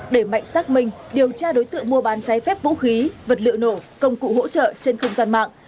đẩy mạnh xác minh điều tra đối tượng mua bán trái phép vũ khí vật lựa nổ công cụ hỗ trợ trên không gian mạng